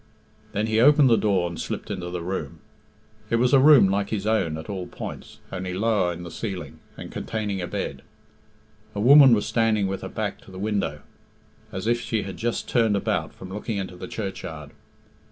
Then he opened the door and slipped into the room. It was a room like his own at all points, only lower in the ceiling, and containing a bed. A woman was standing with her back to the window, as if she had just turned about from looking into the churchyard.